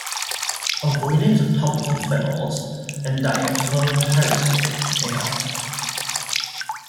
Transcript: Avoidance of topical phenols and diets low in tyrosine may help.